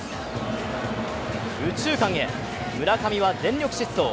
右中間へ、村上は全力疾走。